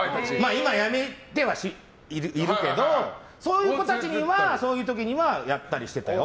今やめてはいるけどそういう子たちにはそういう時にはやったりしてたよ。